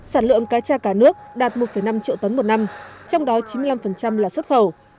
sản lượng cá tra cả nước đạt một năm triệu tấn một năm trong đó chín mươi năm là xuất khẩu